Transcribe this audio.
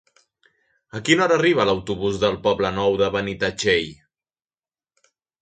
A quina hora arriba l'autobús del Poble Nou de Benitatxell?